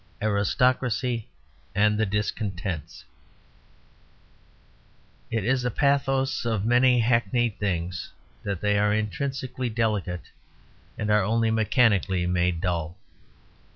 XVI ARISTOCRACY AND THE DISCONTENTS It is the pathos of many hackneyed things that they are intrinsically delicate and are only mechanically made dull.